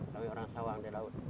tapi orang sawang di laut